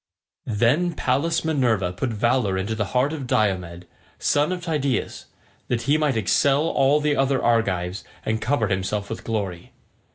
Then Pallas Minerva put valour into the heart of Diomed, son of Tydeus, that he might excel all the other Argives, and cover himself with glory.